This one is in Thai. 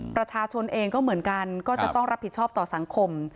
ประชาชนเองก็เหมือนกันก็จะต้องรับผิดชอบต่อสังคม